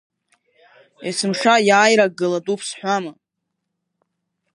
Есымша иааирак галатәуп сҳәама.